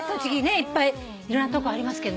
いっぱいいろんなとこありますけども。